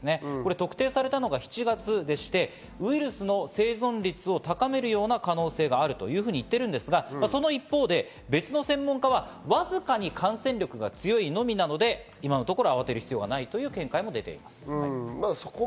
特定されたのが７月でして、ウイルスの生存率を高めるような可能性があるというふうにいっていますが、一方で別の専門家は、わずかに感染力が強いのみなので、今のところ慌てる必要はないという見解も出ています。